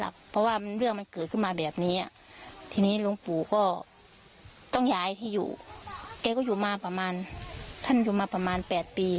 เก๊ก็อยู่มาประมาณ๘ปี